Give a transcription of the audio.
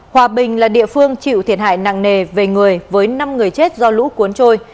hòa bình là địa phương chịu thiệt hại nặng nề về người với năm người chết do lũ cuốn trôi